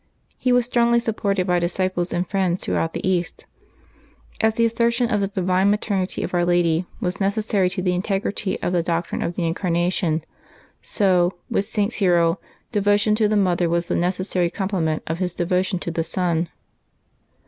He was strongly supported by disciples and friends through out the East. As the assertion of the divine maternity of Our Lady was necessary to the integrity of the doc trine of the Incarnation, so, with St. Cyril, devotion to the Mother was the necessary complement of his devotion to the Son.